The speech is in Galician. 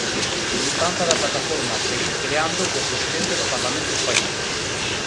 Xuntanza da plataforma Seguir Creando co presidente do Parlamento español.